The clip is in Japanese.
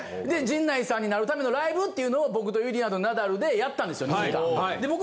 で陣内さんになるためのライブっていうのを僕とゆりやんとナダルでやったんですよ。